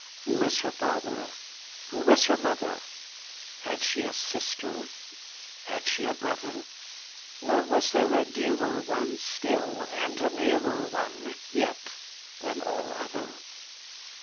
Who was her father? Who was her mother? Had she a sister? Had she a brother? Or was there a dearer one Still, and a nearer one Yet, than all other?